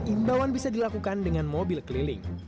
imbauan bisa dilakukan dengan mobil keliling